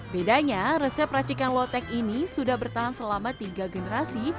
bedanya resep racikan lotek ini sudah bertahan selama tiga generasi